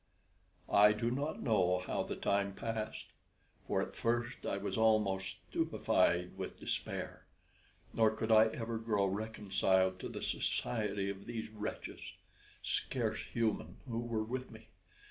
I do not know how the time passed, for at first I was almost stupefied with despair; nor could I ever grow reconciled to the society of these wretches, scarce human, who were with me.